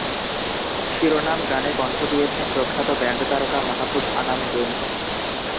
শিরোনাম গানে কণ্ঠ দিয়েছেন প্রখ্যাত ব্যান্ড তারকা মাহফুজ আনাম জেমস।